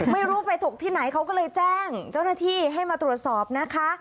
ไม่รู้ไปถกที่ไหนเขาก็เลยแจ้งเจ้าหน้าที่ให้มาตรวจสอบนะคะ